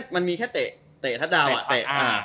มันมีแค่เตะทัศน์ดาวน์อะ